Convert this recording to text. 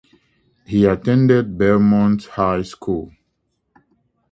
He attended Belmont High School.